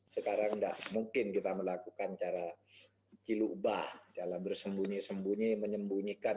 sekarang gak mungkin kita melakukan cara ciluk bah dalam bersembunyi sembunyi menyembunyikan